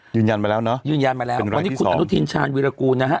ยืนยันมาแล้วเนอะยืนยันมาแล้ววันนี้คุณอนุทินชาญวิรากูลนะฮะ